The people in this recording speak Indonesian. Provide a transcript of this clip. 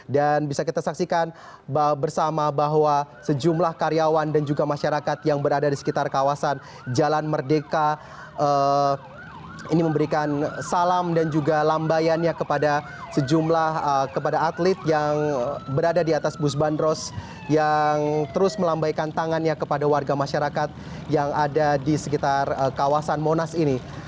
dan bisa kita saksikan bersama bahwa sejumlah karyawan dan juga masyarakat yang berada di sekitar kawasan jalan merdeka ini memberikan salam dan juga lambayannya kepada sejumlah atlet yang berada di atas bus bandros yang terus melambaikan tangannya kepada warga masyarakat yang ada di sekitar kawasan monas ini